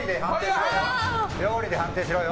料理で判定しろよ。